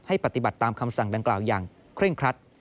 ปฏิบัติตามคำสั่งดังกล่าวอย่างเคร่งครัด